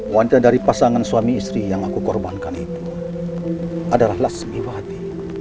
wanita dari pasangan suami istri yang aku korbankan itu adalah lasmiwati